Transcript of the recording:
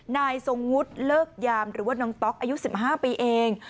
นายทรงวุฒิเลิกยามหรือน้องต๊อกอายุสิบห้าปีเอง